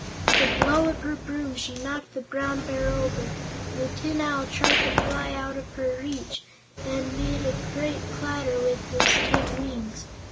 With a blow of her broom she knocked the Brown Bear over, and the Tin Owl tried to fly out of her reach and made a great clatter with his tin wings.